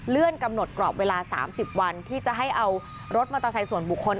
กำหนดกรอบเวลา๓๐วันที่จะให้เอารถมอเตอร์ไซค์ส่วนบุคคล